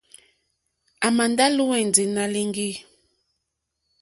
À mà ndá lùwɛ̀ndì nǎ líŋɡì.